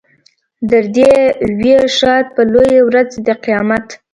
در دې وي ښاد په لویه ورځ د قیامت.